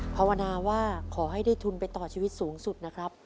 ภาวนาว่าขอให้ได้ทุนไปต่อชีวิตสูงสุดนะครับ